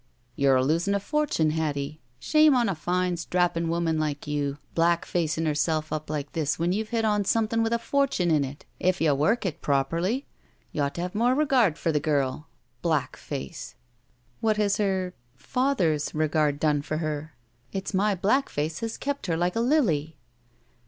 You're losing a fortune, Hattie. Shame on a fine, strapping woman like you, black facing* herself up like this when you've lit on something with a fortune in it if you work it properly. You ought to have more regard for the girl. Black face!" i6g THE SMUDGE €t' 'What has her — ^father's regard done for her? It's my black face has kept her like a lily!"